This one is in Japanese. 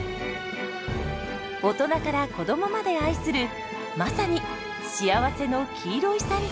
大人から子どもまで愛するまさに「幸せの黄色いサンドイッチ」です。